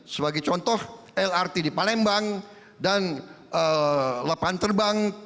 sebagai contoh lrt di palembang dan lapan terbang